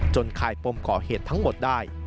คายปมก่อเหตุทั้งหมดได้